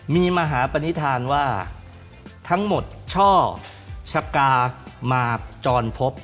มีมหาปณิธานว่าทั้งหมดช่อชะกามาจรพบ